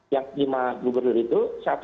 yang lima gubernur itu